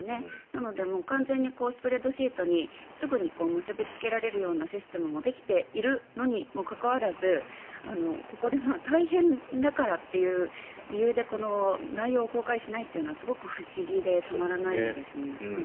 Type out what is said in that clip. なので、完全にスプレッドシートにすぐに結びつけられるようなシステムもできているのにもかかわらずここで大変だからっていう理由で内容を公開しないというのはすごく不思議でたまらないですね。